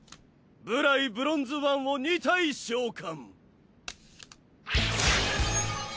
無頼ブロンズ−１を２体召喚。